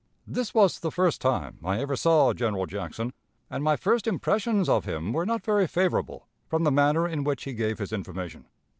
This was the first time I ever saw General Jackson, and my first impressions of him were not very favorable from the manner in which he gave his information.